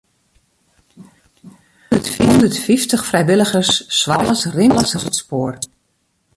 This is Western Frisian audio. Hûndertfyftich frijwilligers soargje dat alles rint as it spoar.